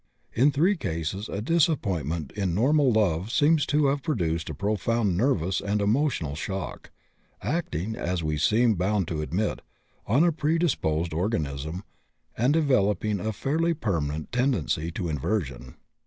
In 3 cases a disappointment in normal love seems to have produced a profound nervous and emotional shock, acting, as we seem bound to admit, on a predisposed organism, and developing a fairly permanent tendency to inversion.